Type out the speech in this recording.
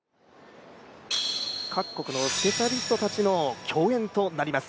各国のスペシャリストたちの競演となります。